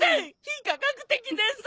非科学的です！